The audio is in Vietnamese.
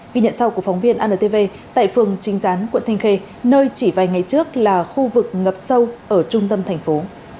ghi nhận sau của phóng viên antv tại phường trinh gián quận thanh khê nơi chỉ vài ngày trước là khu vực ngập sâu ở trung tâm thành phố